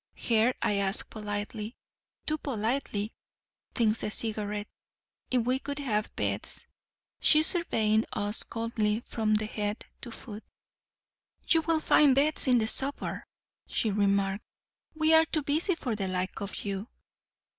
Her I asked politely—too politely, thinks the Cigarette—if we could have beds: she surveying us coldly from head to foot. 'You will find beds in the suburb,' she remarked. 'We are too busy for the like of you.